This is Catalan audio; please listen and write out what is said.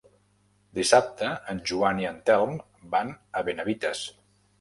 Dissabte en Joan i en Telm van a Benavites.